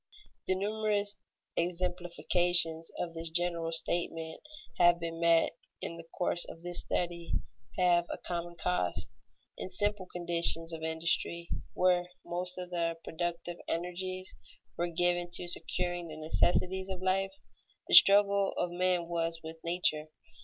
_ The numerous exemplifications of this general statement that have been met in the course of this study have a common cause. In simple conditions of industry, where most of the productive energies were given to securing the necessities of life, the struggle of men was with nature.